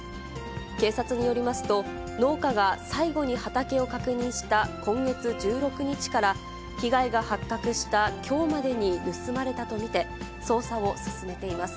警察によりますと、農家が最後に畑を確認した今月１６日から、被害が発覚したきょうまでに盗まれたと見て、捜査を進めています。